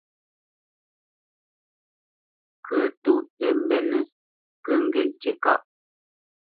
Ŋkə́ ntó tə mbə́nə ŋkə ŋge ntí ŋkâʼ.